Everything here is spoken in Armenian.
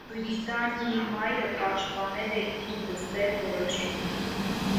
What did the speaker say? Բրիտանիի մայրը պաշտպանել է իր դստեր որոշումը։